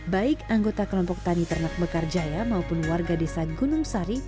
baik anggota kelompok tani ternak mekarjaya maupun warga desa gunung sari